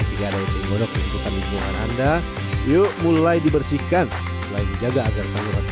juga ada yang menggunakan lingkungan anda yuk mulai dibersihkan selain menjaga agar saluran